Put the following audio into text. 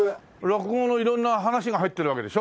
落語の色んな噺が入ってるわけでしょ？